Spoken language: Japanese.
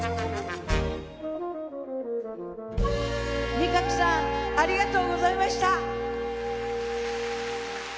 仁鶴さんありがとうございました！